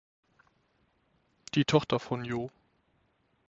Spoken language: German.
Die Tochter von Joh.